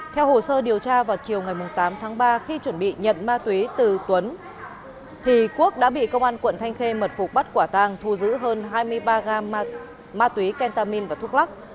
theo hồ sơ điều tra vào chiều ngày tám tháng ba khi chuẩn bị nhận ma túy từ tuấn thì quốc đã bị công an quận thanh khê mật phục bắt quả tang thu giữ hơn hai mươi ba gam ma túy kentamin và thuốc lắc